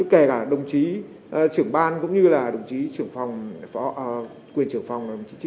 kể cả đồng chí trưởng ban cũng như là đồng chí quyền trưởng phòng